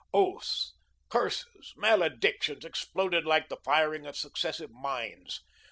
Oaths, curses, maledictions exploded like the firing of successive mines.